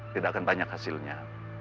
tidak akan banyak hasilnya